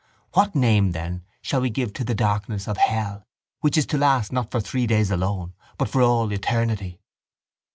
What name, then, shall we give to the darkness of hell which is to last not for three days alone but for all eternity?